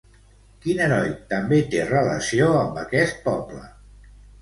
Quin heroi també té relació amb aquest poble?